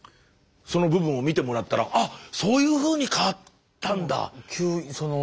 その部分を見てもらったら「あっそういうふうに変わったんだ」。